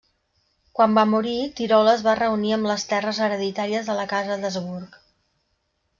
Quan va morir, Tirol es va reunir amb les terres hereditàries de la casa d'Habsburg.